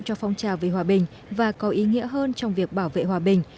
cho phong trào về hòa bình và có ý nghĩa hơn trong việc bảo vệ hòa bình